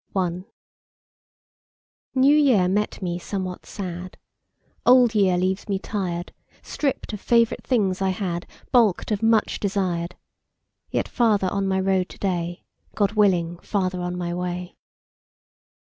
1. New Year met me somewhat sad: Old Year leaves me tired, Stripped of favorite things I had, Balked of much desired: Yet farther on my road to day, God willing, farther on my way.